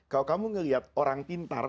kalau kamu melihat orang pintar